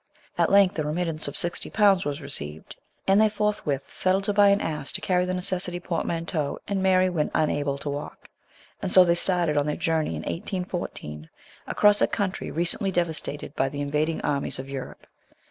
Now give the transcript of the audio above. At length a remittance of sixty pounds was received, and they forthwith settled to buy an ass to carry the necessary portmanteau and Mary when unable to walk ; and so they started on their journey in 1814, across a country recently devastated by the invading armies of Europe.